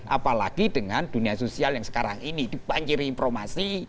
apalagi dengan dunia sosial yang sekarang ini dipanggiri informasi